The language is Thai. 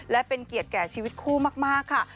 และเป็นเกียรติแก่ชีวิตคู่มากค่ะ